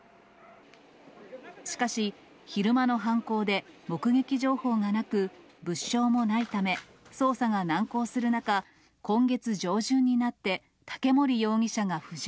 しかし、昼間の犯行で、目撃情報がなく、物証もないため、捜査が難航する中、今月上旬になって、竹森容疑者が浮上。